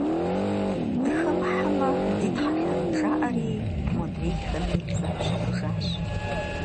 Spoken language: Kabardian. Дыхэмыхьэмэ дитхьэлэн жаӀэри, модрейхэми заущэхужащ.